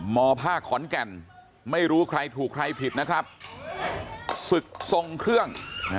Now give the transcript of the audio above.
มภาคขอนแก่นไม่รู้ใครถูกใครผิดนะครับศึกทรงเครื่อง